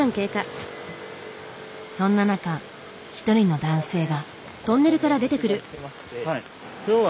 そんな中一人の男性が。